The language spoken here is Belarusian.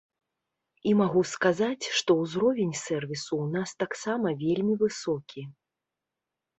І магу сказаць, што ўзровень сервісу ў нас таксама вельмі высокі.